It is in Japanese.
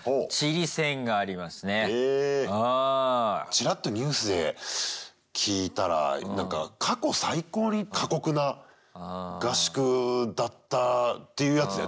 ちらっとニュースで聞いたらなんか過去最高に過酷な合宿だったっていうやつだよ